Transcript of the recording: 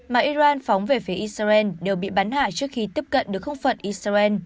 mà iran phóng về phía israel đều bị bắn hạ trước khi tiếp cận được không phận israel